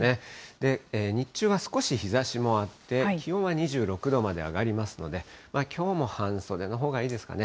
で、日中は少し日ざしもあって、気温は２６度まで上がりますので、きょうも半袖のほうがいいですかね。